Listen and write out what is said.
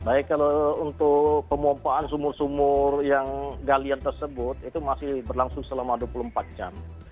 baik kalau untuk pemompaan sumur sumur yang galian tersebut itu masih berlangsung selama dua puluh empat jam